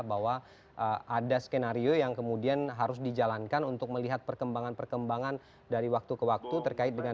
bahwa ada skenario yang kemudian harus dijalankan untuk melihat perkembangan perkembangan dari waktu ke waktu terkait dengan